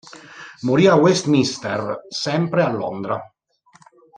Morì a Westminster, sempre a Londra.